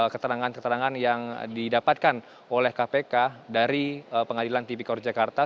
keterangan keterangan yang didapatkan oleh kpk dari pengadilan tipikor jakarta